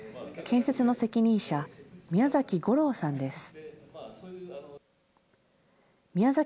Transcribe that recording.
建設の責任者、宮崎吾朗さんです。